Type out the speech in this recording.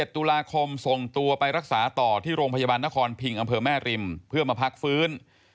๑ตุลาคมส่งตัวไปรักษาต่อที่โรงพยาบาลนครพิงอำเภอแม่ริมเพื่อมาพักฟื้น